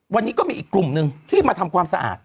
วันนี้ก็มีอีกกลุ่มหนึ่งที่มาทำความสะอาด